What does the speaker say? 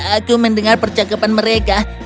aku mendengar percakapan mereka